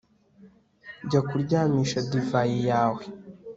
jya kuryamisha divayi yawe